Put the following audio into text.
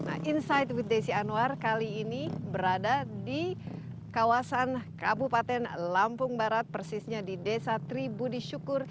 nah inside with desi anwar kali ini berada di kawasan kabupaten lampung barat persisnya di desa tribudi syukur